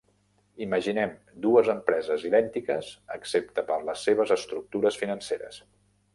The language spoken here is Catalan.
Imaginem dues empreses idèntiques, excepte per les seves estructures financeres.